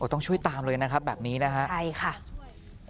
ต้องช่วยตามเลยนะครับแบบนี้นะฮะใช่ค่ะช่วย